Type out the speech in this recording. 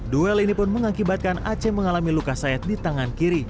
duel ini pun mengakibatkan ac mengalami luka sayat di tangan kiri